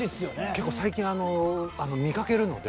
結構最近見かけるので。